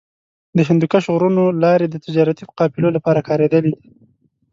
د هندوکش غرونو لارې د تجارتي قافلو لپاره کارېدلې دي.